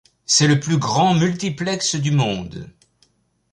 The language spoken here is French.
C'est le plus grand multiplexe du monde.